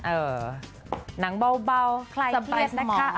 เออนังเบาคลายเครียดนะคะ